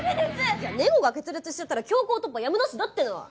いやネゴが決裂しちゃったら強行突破やむなしだっての！